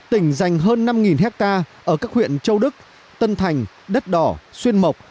tỉnh dành hơn năm hectare ở các huyện châu đức tân thành đất đỏ xuyên mộc